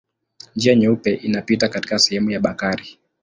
Njia Nyeupe inapita katika sehemu ya Bakari.